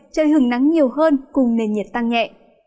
trời hứng nắng nhiều hơn cùng nền nhiệt tăng nhẹ